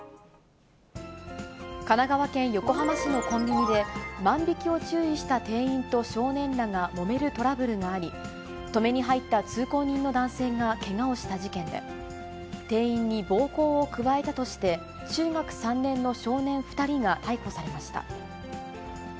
神奈川県横浜市のコンビニで、万引きを注意した店員と少年らがもめるトラブルがあり、止めに入った通行人の男性がけがをした事件で、店員に暴行を加えたとして、中学３年の少年２人が逮捕されました。